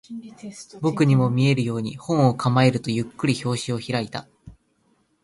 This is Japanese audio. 僕にも見えるように、本を構えると、ゆっくり表紙を開いた